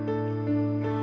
ceng eh tunggu